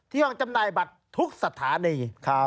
ห้องจำหน่ายบัตรทุกสถานี